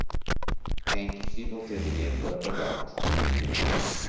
É impossível ter dinheiro para pagá-los